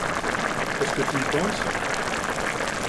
Est-ce que tu y penses ?